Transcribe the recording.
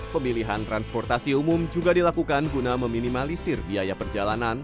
pemilihan transportasi umum juga dilakukan guna meminimalisir biaya perjalanan